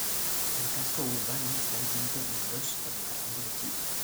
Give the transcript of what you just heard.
El casco urbano está dividido en dos por el barranco de Chiva.